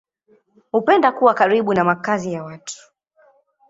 Hupenda kuwa karibu na makazi ya watu.